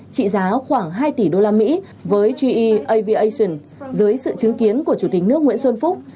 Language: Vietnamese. trị giá khoảng hai tỷ usd với ge aviation dưới sự chứng kiến của chủ tịch nước nguyễn xuân phúc